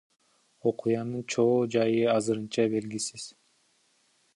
Окуянын чоо жайы азырынча белгисиз.